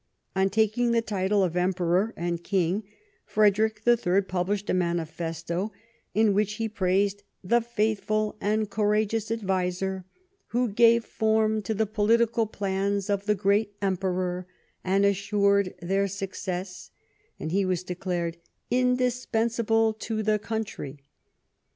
On taking the title of Emperor and King, Frederick III pub lished a manifesto in which he praised " the faithful and courageous adviser who gave form to the political plans of the great Emperor and assured their success "; and he was declared " indispen sable to the country."